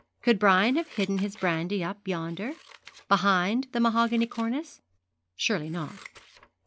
Could Brian have hidden his brandy up yonder, behind the mahogany cornice? Surely not.